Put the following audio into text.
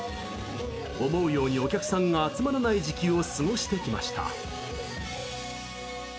思うようにお客さんが集まらない時期を過ごしてきました。